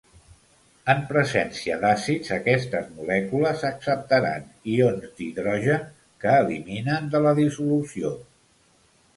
En presència d'àcids, aquestes molècules acceptaran ions d'hidrogen, que eliminen de la dissolució.